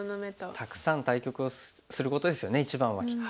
たくさん対局をすることですよね一番はきっと。